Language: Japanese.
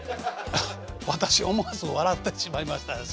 私思わず笑ってしまいましたですけど。